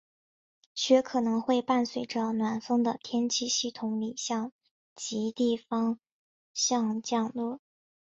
雪可能会伴随着暖锋的天气系统里向极地方向降落。